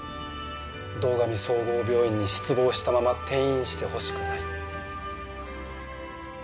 堂上総合病院に失望したまま転院してほしくない。